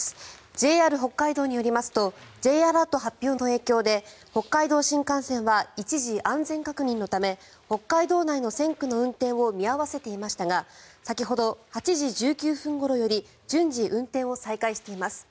ＪＲ北海道によりますとＪアラート発表の影響で北海道新幹線は一時安全確認のため北海道内の線区の運転を見合わせていましたが先ほど、８時１９分ごろより順次運転を再開しています。